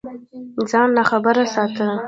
ځان ناخبره ساتل